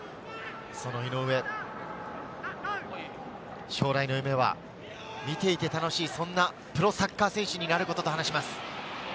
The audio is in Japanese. その井上、将来の夢は、見ていて楽しい、そんなプロサッカー選手になることと話します。